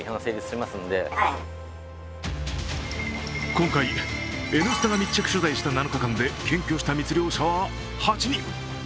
今回、「Ｎスタ」が密着取材した７日間で検挙した密漁者は８人。